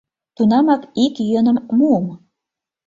Тунамак ик йӧным муым.